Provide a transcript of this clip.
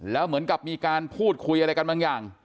แล้วเหมือนกับมีการพูดคุยอะไรกันบางอย่าง